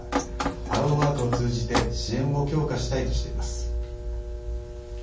ハローワークを通じて支援を強化したいとしています。